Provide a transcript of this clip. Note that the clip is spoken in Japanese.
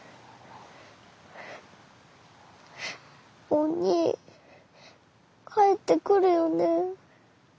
おにぃ帰ってくるよね。